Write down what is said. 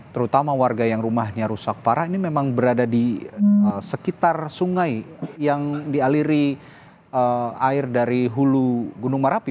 terutama warga yang rumahnya rusak parah ini memang berada di sekitar sungai yang dialiri air dari hulu gunung merapi